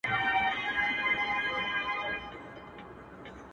هله سي ختم _ په اشاره انتظار _